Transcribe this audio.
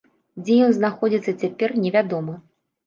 Дзе ён знаходзіцца цяпер, невядома.